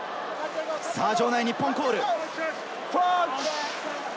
場内、日本コール。